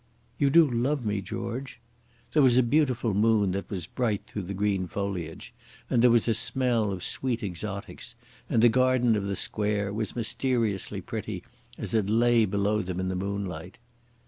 "You do love me, George?" There was a beautiful moon that was bright through the green foliage, and there was a smell of sweet exotics, and the garden of the Square was mysteriously pretty as it lay below them in the moonlight.